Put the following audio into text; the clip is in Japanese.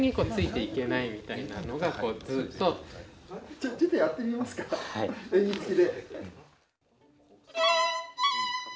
じゃちょっとやってみますか演技つきで。